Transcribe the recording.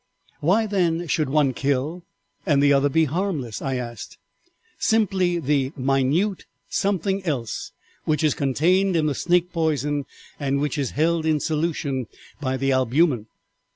"'Why, then, should one kill and the other be harmless?' I asked. "'Simply the minute "something else" which is contained in the snake poison and which is held in solution by the albumen.'